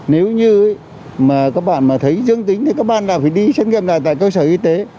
nếu như mà các bạn mà thấy dương tính thì các bạn nào phải đi xét nghiệm lại tại cơ sở y tế